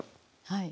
はい。